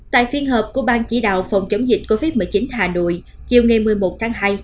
tại phiên họp của bang chỉ đạo phòng chống dịch covid một mươi chín hà nội chiều ngày một mươi một tháng hai